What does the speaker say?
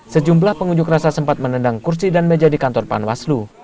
sejumlah pengunjuk rasa sempat menendang kursi dan meja di kantor panwaslu